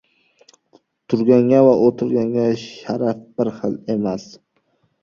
• Turganga va o‘tirganga sharaf bir xil emas.